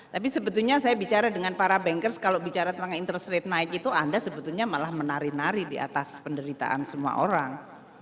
tapi sebetulnya saya bicara dengan para bankers kalau bicara tentang interest rate night itu anda sebetulnya malah menari nari di atas penderitaan semua orang